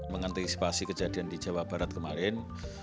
mengantisipasi kejadian di jawa barat kemarin